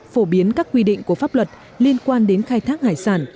phổ biến các quy định của pháp luật liên quan đến khai thác hải sản